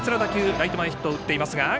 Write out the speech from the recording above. ライト前ヒットを打っています。